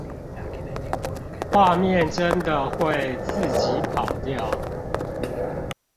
畫面真的會自己跑掉